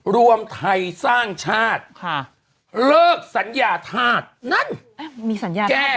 รวมไทยสร้างชาติค่ะเลิกสัญญาธาตุนั่นมีสัญญาแก้